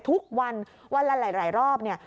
ทุกวันวันละหลายรอบเนี่ย